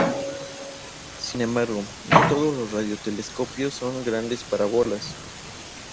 Sin embargo, no todos los radiotelescopios son grandes parábolas.